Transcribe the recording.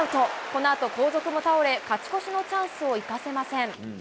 このあと後続も倒れ、勝ち越しのチャンスを生かせません。